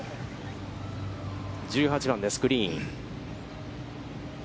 １８番です、グリーン。